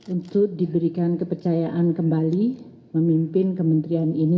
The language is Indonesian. untuk diberikan kepercayaan kembali memimpin kementerian ini